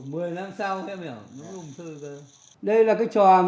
mười năm sau các em hiểu nó ung thư rồi